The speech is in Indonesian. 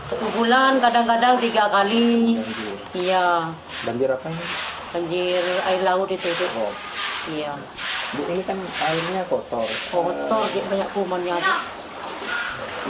air laut itu ini kan airnya kotor kotor banyak kumonnya